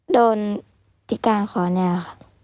โดนที่ก้านคอเนี่ยค่ะ